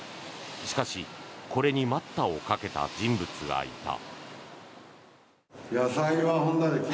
しかし、これに待ったをかけた人物がいた。